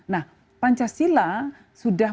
nah pancasila sudah